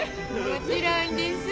もちろんです。